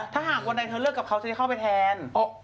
ถ้าหากวันใดเธอเลิกกับเขาจะได้เข้าไปแทน